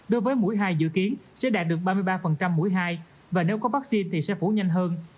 đối với mũi hai dự kiến sẽ đạt được ba mươi ba mũi hai và nếu có vaccine thì sẽ phủ nhanh hơn